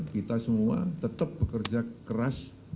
kita semua tetap bekerja keras